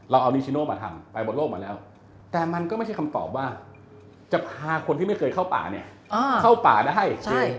เราเอานิชิโน่มาทำไปบนโลกมาแล้วแต่มันก็ไม่ใช่คำตอบว่าจะพาคนที่ไม่เคยเข้าป่าเนี่ยเข้าป่าได้